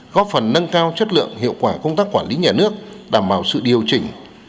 góp phần nâng cao chất lượng hiệu quả công tác quản lý nhà nước đảm bảo sự điều chỉnh